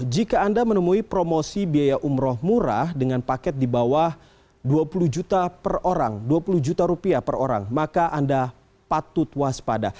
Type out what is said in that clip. jika anda menemui promosi biaya umroh murah dengan paket di bawah dua puluh juta per orang maka anda patut waspada